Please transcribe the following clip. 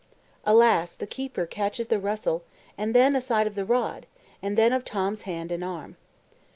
Alas! the keeper catches the rustle, and then a sight of the rod, and then of Tom's hand and arm.